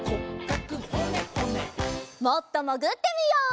もっともぐってみよう！